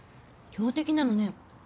強敵なのね。